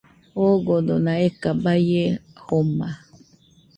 Ogodona eka baie joma